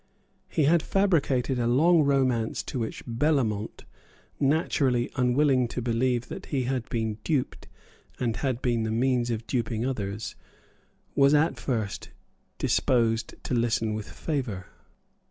He had fabricated a long romance to which Bellamont, naturally unwilling to believe that he had been duped and had been the means of duping others, was at first disposed to listen with favour.